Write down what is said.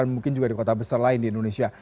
dan mungkin juga di kota besar lain di indonesia